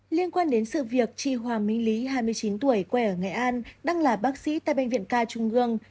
liên quan đến sự việc chị hoàng minh lý hai mươi chín tuổi quê ở nghệ an đang là bác sĩ tại bệnh viện ca trung ương